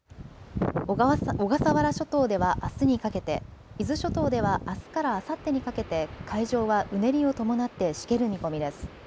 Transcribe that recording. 小笠原諸島ではあすにかけて伊豆諸島ではあすからあさってにかけて海上はうねりを伴ってしける見込みです。